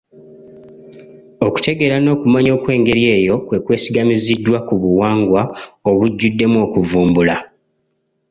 Okutegeera n’okumanya okw’engeri eyo kwe kwesigamiziddwa ku buwangwa obujjuddemu okuvumbula